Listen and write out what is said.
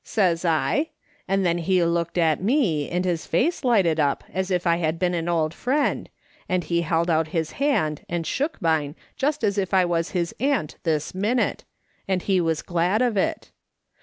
says I, and then he looked at me, and his face lighted up as if I had been an old friend, and he held out his hand and shook mine lust as if I was his aunt this minute, and he was glad of it.